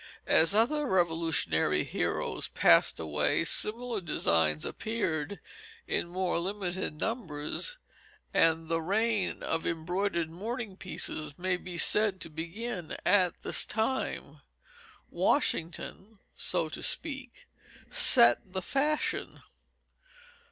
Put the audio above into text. As other Revolutionary heroes passed away, similar designs appeared in more limited numbers, and the reign of embroidered "mourning pieces" may be said to begin at this time. Washington so to speak set the fashion.